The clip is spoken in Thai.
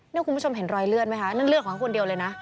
นี่คุณผู้ชมเห็นรอยเลือดไหมคะนั่นเลือดของเขาคนเดียวเลยนะ